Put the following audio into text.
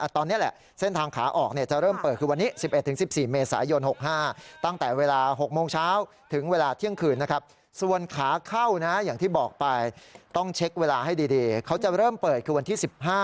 ตอนนี้แหละเส้นทางขาออกจะเริ่มเปิดคือวันนี้